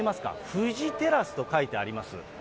フジテラスと書いてあります。